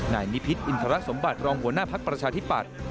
นายนิพิธิ์อินทรัศน์สมบัติรองหัวหน้าพักประชาธิปัตธ์